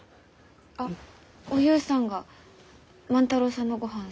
あっおゆうさんが万太郎さんのごはん